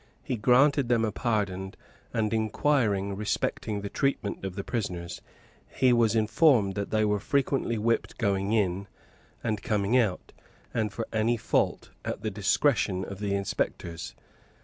He granted them a pardon; and inquiring respecting the treatment of the prisoners, he was informed that they were frequently whipped going in, and coming out, and for any fault, at the discretion of the inspectors.